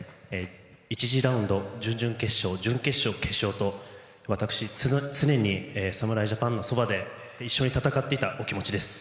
１次ラウンド、準々決勝準決勝、決勝と私、常に侍ジャパンのそばで一緒に戦っていた気持ちです。